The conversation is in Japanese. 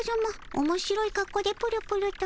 おもしろいかっこでプルプルと。